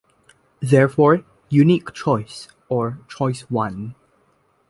Therefore Unique Choice or Choice One.